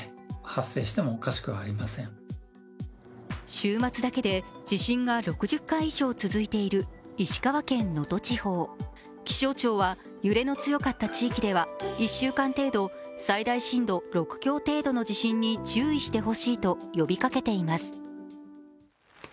週末だけで地震が６０回以上続いている、石川県能登地方気象庁は、揺れの強かった地域では１週間程度、最大震度６強程度の地震に注意してほしいと呼びかけています。